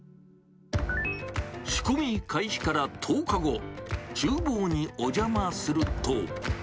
仕込み開始から１０日後、ちゅう房にお邪魔すると。